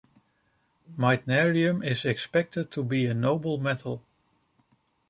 Meitnerium is expected to be a noble metal.